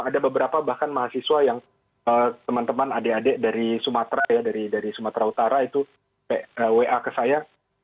ada beberapa bahkan mahasiswa yang teman teman adik adik dari sumatera ya dari sumatera utara itu wa ke saya